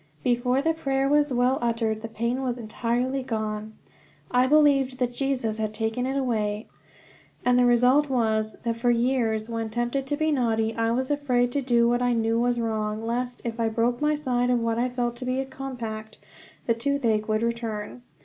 Before the prayer was well uttered the pain was entirely gone. I believed that Jesus had taken it away; and the result was that for years, when tempted to be naughty, I was afraid to do what I knew was wrong lest, if I broke my side of what I felt to be a compact, the toothache would return.